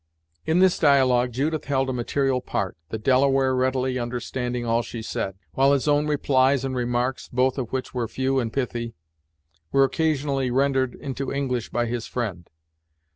In this dialogue Judith held a material part, the Delaware readily understanding all she said, while his own replies and remarks, both of which were few and pithy, were occasionally rendered into English by his friend.